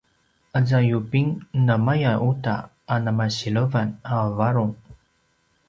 aza yubing namaya uta a namasilevan a varung